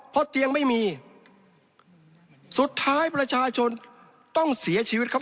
เพราะเตียงไม่มีสุดท้ายประชาชนต้องเสียชีวิตครับ